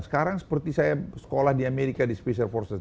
sekarang seperti saya sekolah di amerika di special forcent